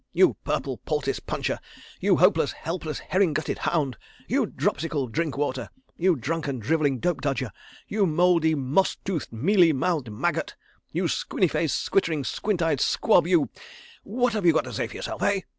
You purple poultice puncher; you hopeless, helpless, herring gutted hound; you dropsical drink water; you drunken, drivelling dope dodger; you mouldy, mossy toothed, mealy mouthed maggot; you squinny faced, squittering, squint eyed squab, you—what have you got to say for yourself? Eh? ..